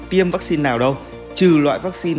tiêm vaccine nào đâu trừ loại vaccine